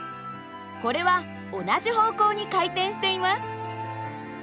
これは同じ方向に回転しています。